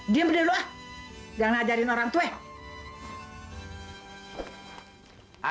diam dulu ah jangan ajarin orang tua